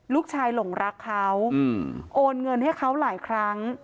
หลงรักเขาโอนเงินให้เขาหลายครั้ง